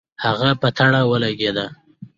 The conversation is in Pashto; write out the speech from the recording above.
هغه په تړه ولګېدله.